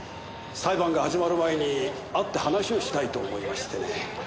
裁判が始まる前に会って話をしたいと思いましてね。